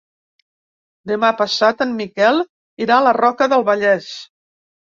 Demà passat en Miquel irà a la Roca del Vallès.